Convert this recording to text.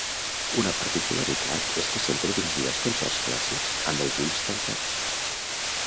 Una particularitat és que sempre dirigia els concerts clàssics amb els ulls tancats.